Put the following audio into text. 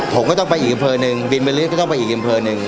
ผมก็ต้องไปอีกบริเวณหนึ่งบินบริษก็ต้องไปอีกบริเวณหนึ่ง